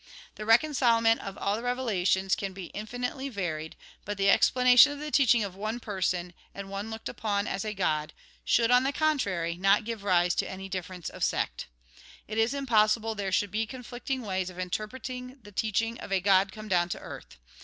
The reconcilement of all the revelations can be infinitely varied, but the explanation of the teaching of one person, and one looked upon as a God, should, on the contrary, not give rise to any difference of sect. It is impossible there should be conflicting ways of interpreting the teaching of a God come down to earth.